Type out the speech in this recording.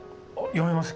読めます。